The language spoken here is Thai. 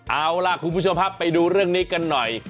เอาล่ะคุณผู้ชมครับไปดูเรื่องนี้กันหน่อย